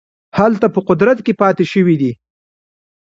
هلته په قدرت کې پاته شوي دي.